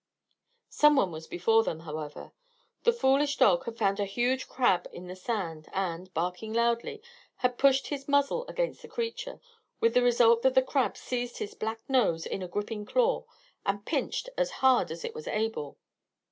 Some one was before them, however. The foolish dog had found a huge crab in the sand and, barking loudly, had pushed his muzzle against the creature, with the result that the crab seized his black nose in a gripping claw and pinched as hard as it was able.